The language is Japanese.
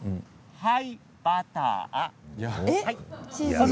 はい、バター。